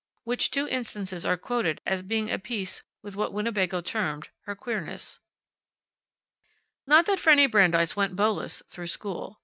Which two instances are quoted as being of a piece with what Winnebago termed her queerness. Not that Fanny Brandeis went beauless through school.